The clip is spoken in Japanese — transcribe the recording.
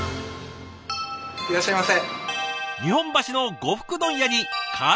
いらっしゃいませ。